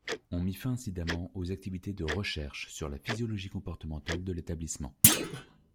On mit fin incidemment aux activités de recherche sur la physiologie comportementale de l'établissement.